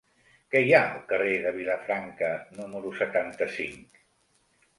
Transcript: Què hi ha al carrer de Vilafranca número setanta-cinc?